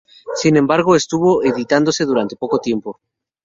Sin embargo estuvo editándose durante poco tiempo.